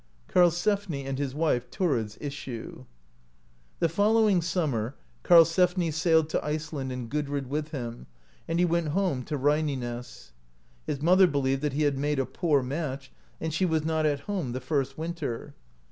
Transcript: KARI^EI^NI AND HIS WIFE THURID's ISSUE. The following summer Karlsefni sailed to Iceland and Gudrid with him, and he went hcrnie to Reyniness (59). His mother believed that he had made a poor match, and she was not at home the first winter.